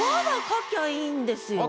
書きゃいいんですよ。